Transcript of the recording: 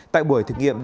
tại buổi thực nghiệm